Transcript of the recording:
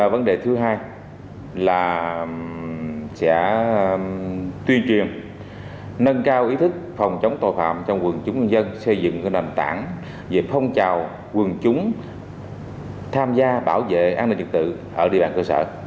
vấn đề thứ hai là sẽ tuyên truyền nâng cao ý thức phòng chống tội phạm trong quần chúng dân xây dựng nền tảng về phong trào quần chúng tham gia bảo vệ an ninh trật tự